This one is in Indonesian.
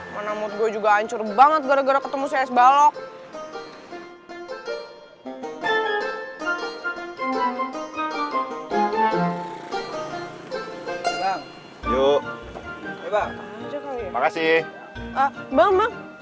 mana mood gue juga ancur banget gara gara ketemu saya balok bang yuk makasih banget